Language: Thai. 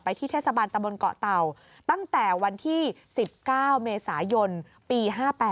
ที่เทศบาลตะบนเกาะเต่าตั้งแต่วันที่๑๙เมษายนปี๕๘